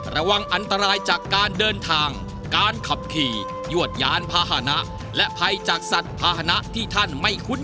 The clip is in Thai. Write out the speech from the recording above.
ระวังอันตรายจากการเดินทางการขับขี่ยวดยานพาหนะและภัยจากสัตว์ภาษณะที่ท่านไม่คุ้น